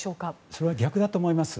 それは逆だと思います。